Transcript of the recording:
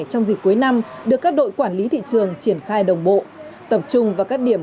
trong dịp cuối năm được các đội quản lý thị trường triển khai đồng bộ tập trung vào các điểm